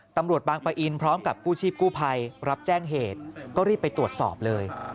ตำรวจบางปะอินพร้อมกับกู้ชีพกู้ภัยรับแจ้งเหตุก็รีบไปตรวจสอบเลย